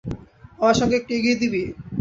আমার সঙ্গে একটু এগিয়ে দিবি?